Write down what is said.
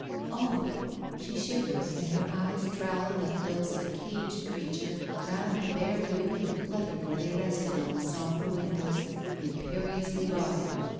..." "Oh !" She shivered and her eyes travelled like those of a caged creature round the bare room and fluttered when they rested on the sombre windows imperiously barred.